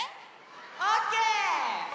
オッケー！